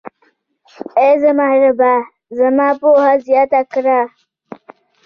اې زما ربه، زما پوهه زياته کړه.